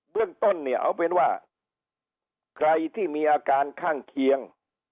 เรื่องต้นเนี่ยเอาเป็นว่าใครที่มีอาการข้างเคียง